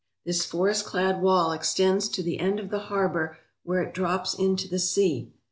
This forest clad wall extends to the end of the harbour where it drops into the sea.